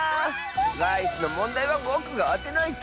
ライスのもんだいはぼくがあてないと。